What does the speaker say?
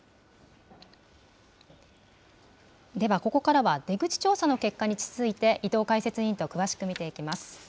では、ここからは出口調査の結果について、伊藤解説委員と詳しく見ていきます。